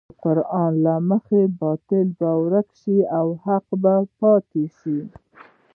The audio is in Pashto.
د قران له مخې باطل به ورک شي او حق به پاتې شي.